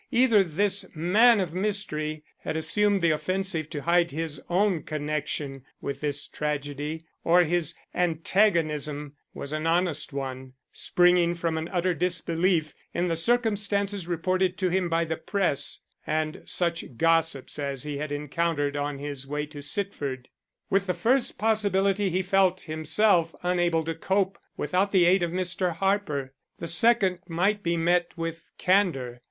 Either this man of mystery had assumed the offensive to hide his own connection with this tragedy, or his antagonism was an honest one, springing from an utter disbelief in the circumstances reported to him by the press and such gossips as he had encountered on his way to Sitford. With the first possibility he felt himself unable to cope without the aid of Mr. Harper; the second might be met with candor.